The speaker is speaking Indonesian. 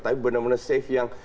tapi benar benar safe yang